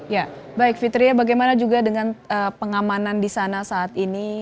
ya baik fitri ya bagaimana juga dengan pengamanan disana saat ini